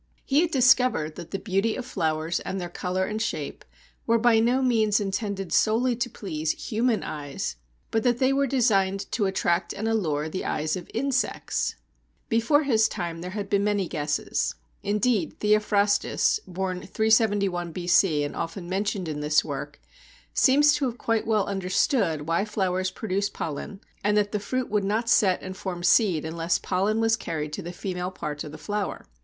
He had discovered that the beauty of flowers and their colour and shape were by no means intended solely to please human eyes, but that they were designed to attract and allure the eyes of insects. Before his time there had been many guesses. Indeed, Theophrastus (born 371 B.C., and often mentioned in this work) seems to have quite well understood why flowers produce pollen, and that the fruit would not set and form seed unless pollen was carried to the female part of the flower.